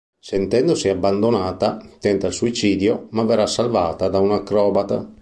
Sentendosi abbandonata, tenta il suicidio, ma verrà salvata da un acrobata.